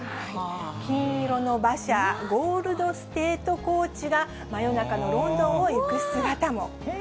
金色の馬車・ゴールド・ステート・コーチが、真夜中のロンドンを行く姿も。